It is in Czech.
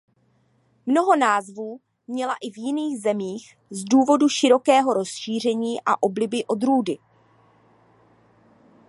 Mnoho názvů měla i v jiných zemích z důvodů širokého rozšíření a obliby odrůdy.